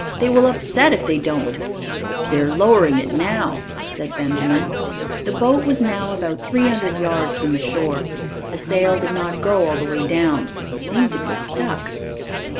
"They will upset if they don't." "They're lowering it now," said Benjamin. The boat was now about 300 yards from the shore. The sail did not go all the way down it seemed to be stuck.